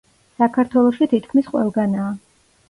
საქართველოში თითქმის ყველგანაა.